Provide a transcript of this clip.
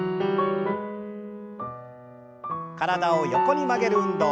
体を横に曲げる運動。